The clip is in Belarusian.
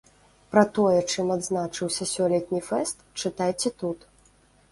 Пра тое, чым адзначыўся сёлетні фэст, чытайце тут!